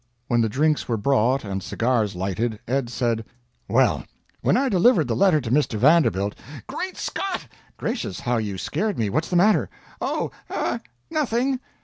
When the drinks were brought and cigars lighted, Ed said: "Well, when I delivered the letter to Mr. Vanderbilt " "Great Scott!" "Gracious, how you scared me. What's the matter?" "Oh er nothing.